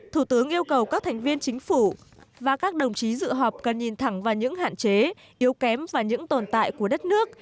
thủ tướng yêu cầu các thành viên chính phủ và các đồng chí dự họp cần nhìn thẳng vào những hạn chế yếu kém và những tồn tại của đất nước